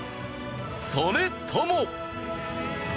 それとも。